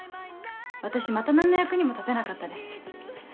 私また何の役にも立てなかったです。